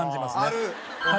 ある？